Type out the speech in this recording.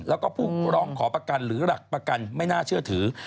แล้วก็ผู้ร้องขอประกันหรือหลักประกันไม่น่าเชื่อถือ